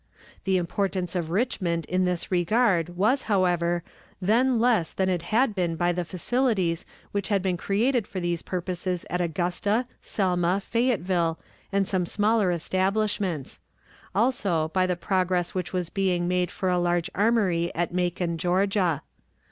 The importance of Richmond in this regard was, however, then less than it had been by the facilities which had been created for these purposes at Augusta, Selma, Fayetteville, and some smaller establishments; also by the progress which was being made for a large armory at Macon, Georgia.